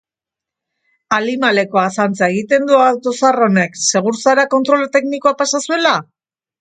Alimaleko azantza egiten du auto zahar honek, segur zara kontrol teknikoa pasa zuela?